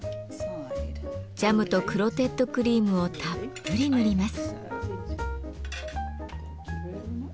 ジャムとクロテッドクリームをたっぷり塗ります。